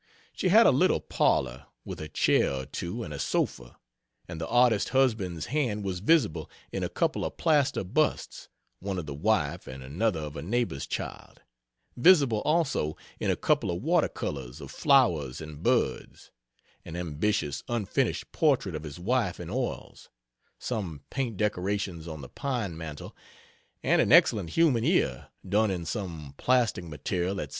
She had a little parlor, with a chair or two and a sofa; and the artist husband's hand was visible in a couple of plaster busts, one of the wife, and another of a neighbor's child; visible also in a couple of water colors of flowers and birds; an ambitious unfinished portrait of his wife in oils: some paint decorations on the pine mantel; and an excellent human ear, done in some plastic material at 16.